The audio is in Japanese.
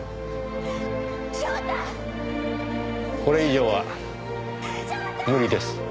これ以上は無理です。